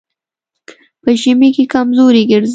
په ژمي کې کمزوری ګرځي.